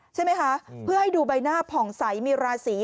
ใช่ไหมคะเพื่อให้ดูใบหน้าผ่องใสมีราศี